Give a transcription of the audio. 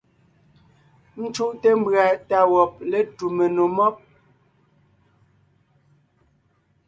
Ńcúʼte mbʉ̀a tá wɔb létu menò mɔ́b.